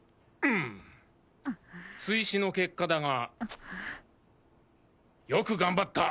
追試の結果だがよく頑張った！